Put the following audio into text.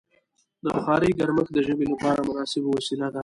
د بخارۍ ګرمښت د ژمي لپاره مناسبه وسیله ده.